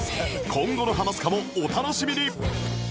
今後の『ハマスカ』もお楽しみに！